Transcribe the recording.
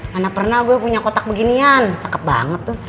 mana pernah gue punya kotak beginian cakep banget tuh